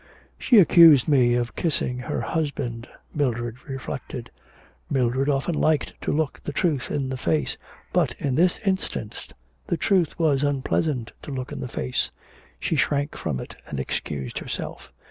'She accused me of kissing her husband,' Mildred reflected. Mildred often liked to look the truth in the face, but, in this instance, the truth was unpleasant to look in the face; she shrank from it, and excused herself.